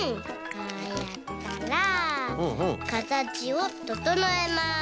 こうやったらかたちをととのえます。